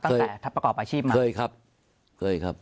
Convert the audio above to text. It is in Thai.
ตั้งแต่ประกอบอาชีพมาเคยครับ